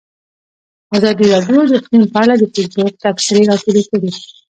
ازادي راډیو د اقلیم په اړه د فیسبوک تبصرې راټولې کړي.